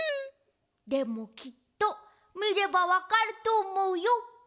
でもきっとみればわかるとおもうよ。